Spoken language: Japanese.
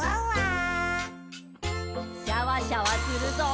シャワシャワするぞ。